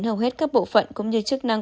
hầu hết các bộ phận cũng như chức năng